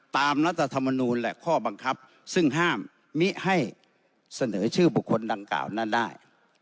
รัฐธรรมนูลและข้อบังคับซึ่งห้ามมิให้เสนอชื่อบุคคลดังกล่าวนั้นได้